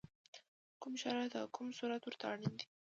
کوم شرایط او کوم صورت ورته اړین دی؟